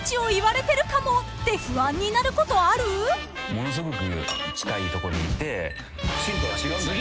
ものすごく近いとこにいて。